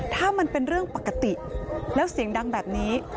ถ้ามันเป็นเรื่องปกติแล้วเสียงดังแบบนี้